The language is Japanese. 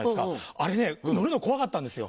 あれね乗るの怖かったんですよ。